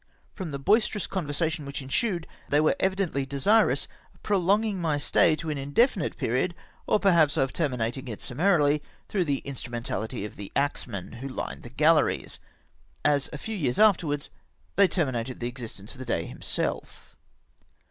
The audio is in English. From the boisterous conversation which ensued, they were evidently desirous of prolonging my stay to an indefinite period, or perhaps of terminating it summarily through the instrumentahty of the axe men who hned the galleries, as a few years afterwards they terminated the existence of the Dey liimself.